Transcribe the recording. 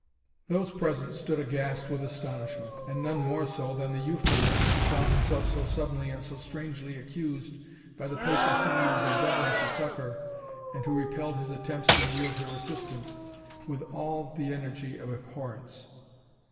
Those present stood aghast with astonishment, and none more so than the Euphuist, who found himself so suddenly and so strangely accused by the patient whom he was endeavouring to succour, and who repelled his attempts to yield her assistance with all the energy of abhorrence.